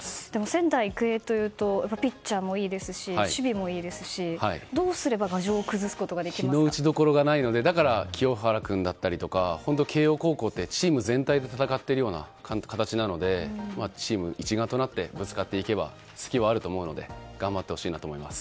仙台育英というとピッチャーもいいですし守備もいいですしどうすれば牙城を非の打ちどころがないのでだから清原君とか、慶応高校はチーム全体で戦っているような形なのでチーム一丸となってぶつかっていけば隙はあると思うので頑張ってほしいなと思います。